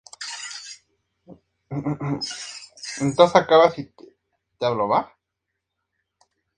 Según Tácito, ella no murió de parto o por causas naturales.